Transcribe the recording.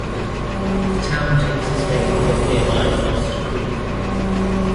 The town takes its name from nearby Lost Creek.